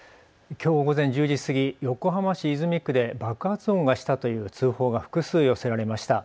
きょう午前１０時過ぎ、横浜市泉区で爆発音がしたという通報が複数寄せられました。